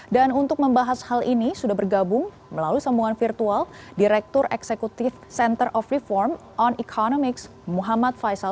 dan untuk membahas hal ini sudah bergabung melalui sambungan virtual direktur eksekutif center of reform on economics muhammad faisal